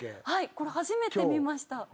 これ初めて見ました。